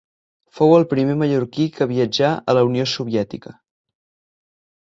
Fou el primer mallorquí que viatjà a la Unió Soviètica.